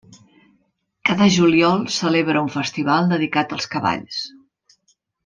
Cada juliol celebra un festival dedicat als cavalls.